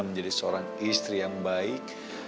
menjadi seorang istri yang baik